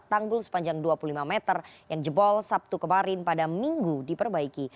tanggul sepanjang dua puluh lima meter yang jebol sabtu kemarin pada minggu diperbaiki